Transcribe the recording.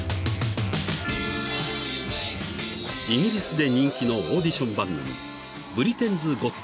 ［イギリスで人気のオーディション番組］